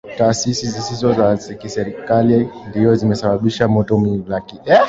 taasisi zisizo za kiserikali ndio zimesababisha moto lakini